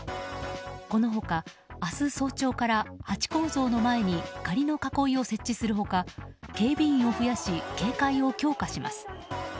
この他、明日早朝からハチ公像の前に仮の囲いを設置する他警備員を増やし警戒を強化します。